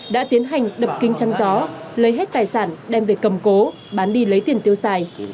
đã tiến hành đập kính chăn gió lấy hết tài sản đem về cầm cố bán đi lấy tiền tiêu xài